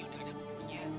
ini udah ada bukurnya